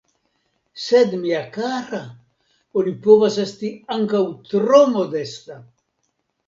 Sed mia kara, oni povas esti ankaŭ tro modesta.